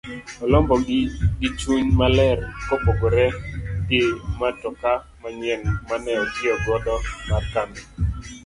Olombo gi gichuny maler kopopgore gi matoka manyien mane otiyo godo mar kambi.